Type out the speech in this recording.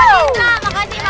itu bukan hanya buat indra